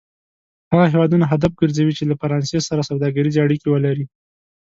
هغه هېوادونه هدف کرځوي چې له فرانسې سره سوداګریزې اړیکې ولري.